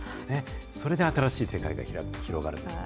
それで新しい世界が広がるんですね。